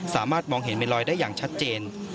สามารถมองเห็นเมลอยได้อย่างชัดเจน